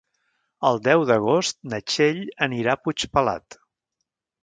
El deu d'agost na Txell anirà a Puigpelat.